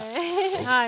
はい。